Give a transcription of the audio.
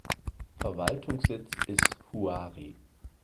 Verwaltungssitz ist Huari.